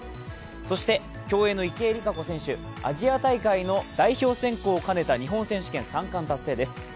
そして競泳の池江璃花子選手、アジア大会の代表選考を兼ねた日本選手権３冠達成です。